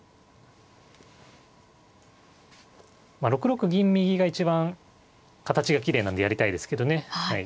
６六銀右が一番形がきれいなんでやりたいですけどね。